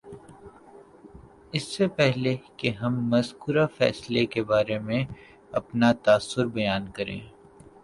اس سے پہلے کہ ہم مذکورہ فیصلے کے بارے میں اپنا تاثر بیان کریں